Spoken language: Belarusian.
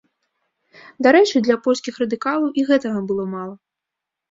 Дарэчы, для польскіх радыкалаў і гэтага было мала.